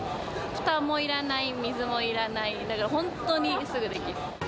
ふたもいらない、水もいらない、だから本当にすぐできる。